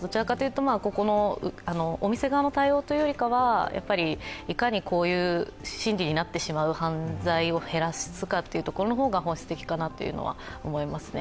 どちらかというと、お店側の対応というよりは、いかにこういう心理になってしまう犯罪を減らすかというところが本質的かなとは思います。